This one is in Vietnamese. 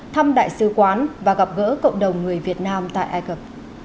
thăm đại sứ quán và gặp gỡ cộng đồng người việt nam tại ai cập